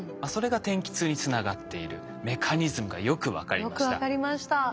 それが天気痛につながっているメカニズムがよく分かりました。